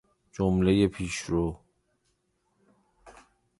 جمله پیشرو